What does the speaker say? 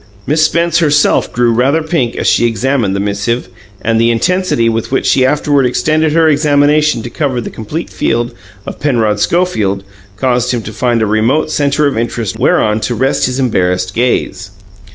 Miss Spence herself grew rather pink as she examined the missive, and the intensity with which she afterward extended her examination to cover the complete field of Penrod Schofield caused him to find a remote centre of interest whereon to rest his embarrassed gaze.